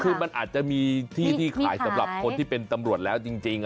คือมันอาจจะมีที่ที่ขายสำหรับคนที่เป็นตำรวจแล้วจริง